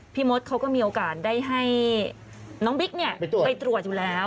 พี่น้องมนดดมีโอกาสได้ให้น้องบิ๊กเนี่ยไปตรวจอยู่แล้ว